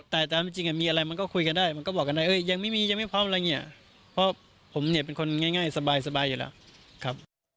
แต่ตามจริงมีอะไรมันก็คุยกันได้มันก็บอกกันได้ยังไม่มียังไม่พร้อมอะไรอย่างนี้เพราะผมเนี่ยเป็นคนง่ายสบายอยู่แล้วครับ